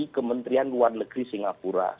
kementerian luar negeri singapura